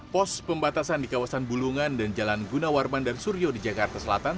pos pembatasan di kawasan bulungan dan jalan gunawarman dan suryo di jakarta selatan